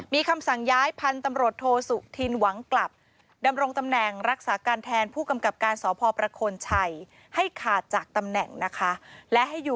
มีคำสั่งย้าย